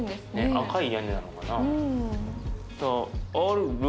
赤い屋根なのかな。